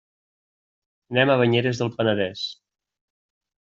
Anem a Banyeres del Penedès.